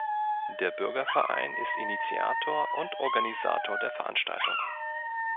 Der Bürgerverein ist Initiator und Organisator der Veranstaltung.